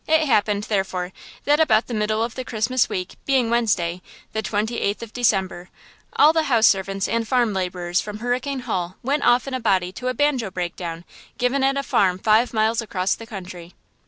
It happened, therefore, that about the middle of the Christmas week, being Wednesday, the twenty eighth of December, all the house servants and farm laborers from Hurricane Hall went off in a body to a banjo break down given at a farm five miles across the country.